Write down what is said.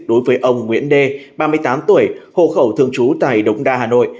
đối với ông nguyễn đê ba mươi tám tuổi hồ khẩu thương chú tại đống đa hà nội